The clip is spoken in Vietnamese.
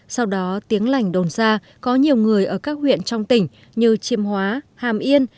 sau đó tiếng lành đồn ra có nhiều người ở các huyện trong tỉnh như chiêm hóa hàm yên